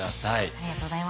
ありがとうございます。